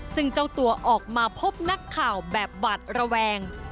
ซึ่งเจ้าตัวออกมาพบนักข่าวแบบหวาดระแวง